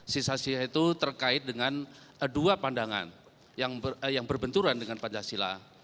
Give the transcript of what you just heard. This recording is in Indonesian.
sisa sisa itu terkait dengan dua pandangan yang berbenturan dengan pancasila